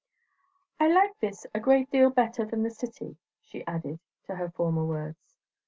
"I like this a great deal better than the city," she added to her former words.